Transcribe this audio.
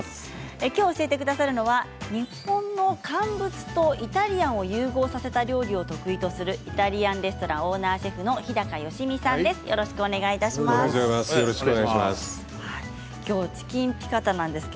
今日教えてくださるのは日本の乾物とイタリアンを融合させた料理を得意とするイタリアンレストランオーナーシェフの日高良実さんです。